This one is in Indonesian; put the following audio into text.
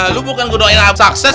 lo bukan gunungin abah sukses